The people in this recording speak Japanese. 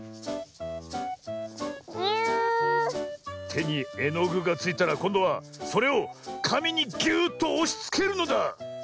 てにえのぐがついたらこんどはそれをかみにぎゅっとおしつけるのだ。